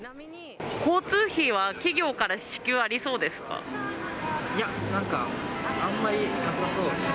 交通費は企業から支給ありそいや、なんか、あんまりなさそうで。